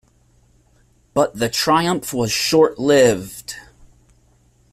But the triumph was short-lived.